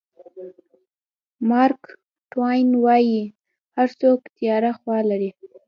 مارک ټواین وایي هر څوک تیاره خوا لري.